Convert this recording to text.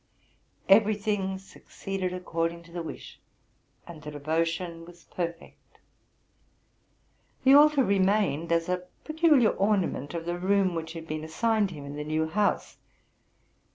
Every thing succeeded according to the wish, and the devotion was perfect. The altar remained as a peculiar 38 TRUTH AND FICTION ornament of the room which had been assigned him in the new house.